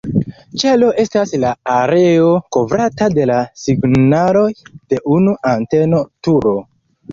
Ĉelo estas la areo kovrata de la signaloj de unu anteno-turo.